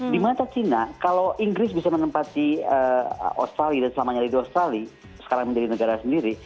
di mana cina kalau inggris bisa menempati australia dan selamanya di australia sekarang menjadi negara sendiri